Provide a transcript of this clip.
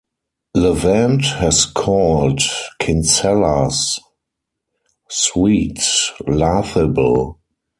Levant has called Kinsella's suit "laughable".